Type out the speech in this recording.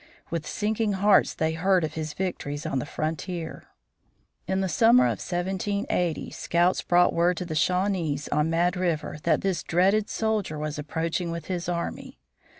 With sinking hearts they heard of his victories on the frontier. In the summer of 1780 scouts brought word to the Shawnees on Mad River that this dreaded soldier was approaching with his army.